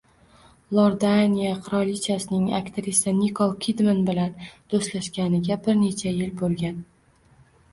Iordaniya qirolichasining aktrisa Nikol Kidman bilan do‘stlashganiga bir necha yil bo‘lgan